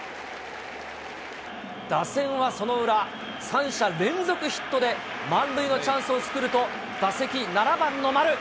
打線はその裏、三者連続ヒットで満塁のチャンスを作ると、打席７番の丸。